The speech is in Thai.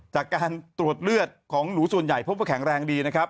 จากการตรวจเลือดของหนูส่วนใหญ่พบว่าแข็งแรงดีนะครับ